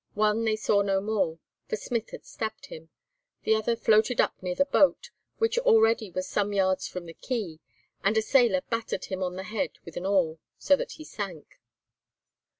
One they saw no more, for Smith had stabbed him, the other floated up near the boat, which already was some yards from the quay, and a sailor battered him on the head with an oar, so that he sank.